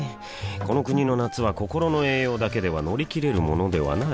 この国の夏は心の栄養だけでは乗り切れるものではない